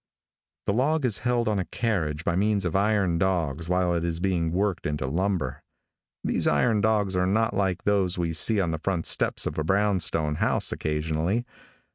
The log is held on a carriage by means of iron dogs while it is being worked into lumber. These iron dogs are not like those we see on the front steps of a brown stone house occasionally.